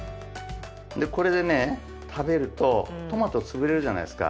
これでね食べるとトマト潰れるじゃないですか。